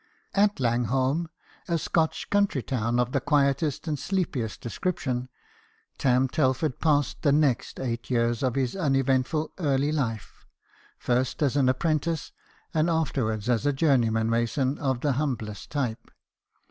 At Langholm, a Scotch country town of the quietest and sleepiest description, Tarn Telford passed the next eight years of his uneventful early life, first as an apprentice, and afterwards as a journeyman mason of the humblest type.